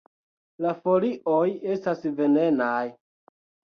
La folioj estas venenaj.